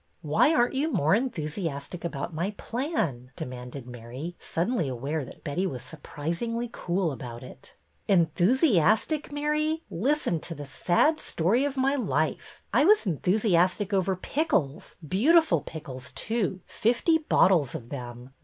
" Why are n't you more enthusiastic about my plan?" demanded Mary, suddenly aware that Betty was surprisingly cool about it. MARY KING'S PLAN 253 " Enthusiastic, Mary ? Listen to the sad story of my life. I was enthusiastic over pickles, — beautiful pickles, too, fifty bottles of them.